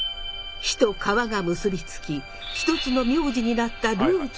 火と川が結び付き一つの名字になったルーツとは？